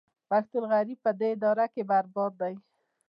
پښتون غریب په دې اداره کې برباد دی